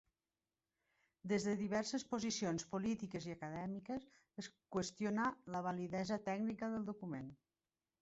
Des de diverses posicions polítiques i acadèmiques es qüestionà la validesa tècnica del document.